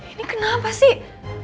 ini kenapa sih